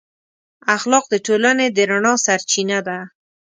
اخلاق د ټولنې د رڼا سرچینه ده.